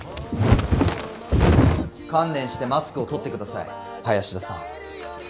観念してマスクを取って下さい林田さん。